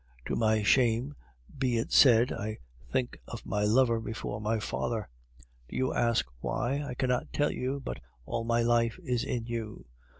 To my shame be it said, I think of my lover before my father. Do you ask why? I cannot tell you, but all my life is in you.